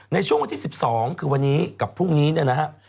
ในช่วงวันที่๑๒คือวันนี้กับพรุ่งนี้เนี่ยนะครับ